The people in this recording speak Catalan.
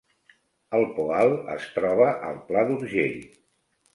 El Poal es troba al Pla d’Urgell